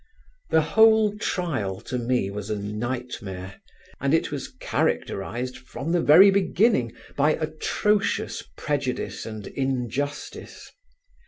The whole trial to me was a nightmare, and it was characterised from the very beginning by atrocious prejudice and injustice.